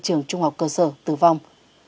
trường trung học cơ sở tử vong